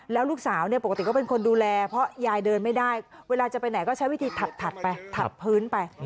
แล้วลูกสาวเนี่ยปกติก็เป็นคนดูแลเพราะยายเดินไม่ได้เวลาจะไปไหนก็ใช้วิธีถัดไปถัดพื้นไป